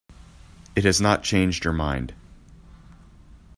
It has not changed your mind.